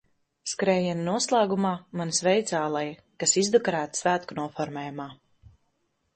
Skrējiena noslēgumā mani sveica aleja, kas izdekorēta svētku noformējumā.